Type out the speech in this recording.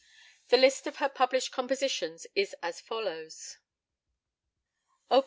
The list of her published compositions is as follows: Op.